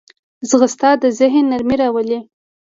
ځغاسته د ذهن نرمي راولي